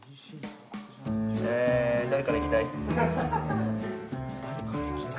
誰からいきたい？